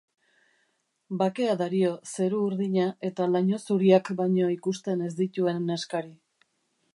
Bakea dario zeru urdina eta laino zuriak baino ikusten ez dituen neskari.